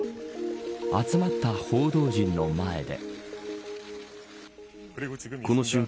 集まった報道陣の前で。